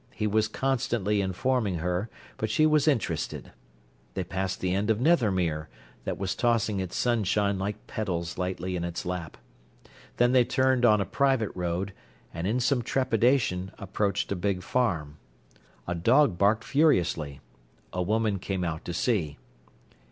He was constantly informing her, but she was interested. They passed the end of Nethermere, that was tossing its sunshine like petals lightly in its lap. Then they turned on a private road, and in some trepidation approached a big farm. A dog barked furiously. A woman came out to see.